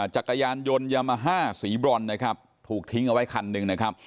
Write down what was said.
จักรยานยนต์ยามาฮ่าสีบรอนนะครับถูกทิ้งเอาไว้คันหนึ่งนะครับ